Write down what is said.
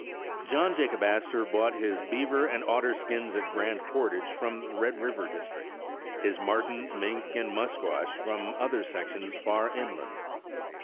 John Jacob Astor bought his beaver and otter skins at Grand Portage from the Red River district, his mar ten, mink and musquash from other sections far inland.